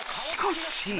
しかし］